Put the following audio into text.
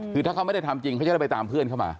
คือถ้าเขาไม่ได้ทำจริงเขาจะได้ไปตามเพื่อนเข้ามา